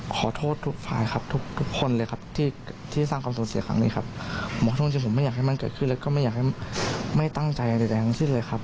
ขอโทษทุกฝ่ายพวกคณะของผมทั้งนี้ครับแต่ก็ไม่อยากให้มันเกิดขึ้นแล้วก็ไม่จะตั้งใจอะไรเคยเลยครับ